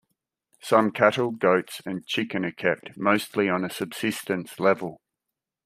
Some cattle, goats and chicken are kept, mostly on a subsistence level.